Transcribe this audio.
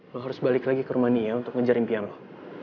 lo harus balik lagi ke romania untuk ngejar impian lo